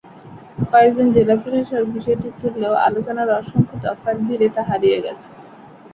কয়েকজন জেলা প্রশাসক বিষয়টি তুললেও আলোচনার অসংখ্য দফার ভিড়ে তা হারিয়ে গেছে।